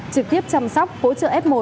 trực tiếp chăm sóc hỗ trợ f một